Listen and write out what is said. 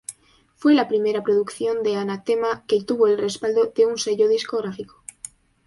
Fue la primera producción de Anathema que tuvo el respaldo de un sello discográfico.